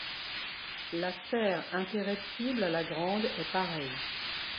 La sphère impereptible à la grande est pareille ;